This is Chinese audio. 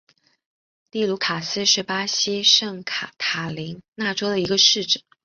蒂茹卡斯是巴西圣卡塔琳娜州的一个市镇。